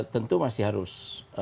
tentu masih harus